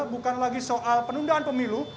bukan lagi soal penundaan pemilu